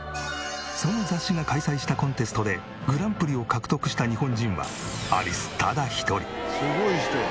その雑誌が開催したコンテストでグランプリを獲得した日本人はアリスただ一人。